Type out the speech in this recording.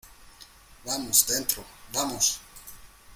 vamos, dentro. ¡ vamos!